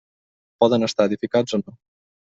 Poden estar edificats o no.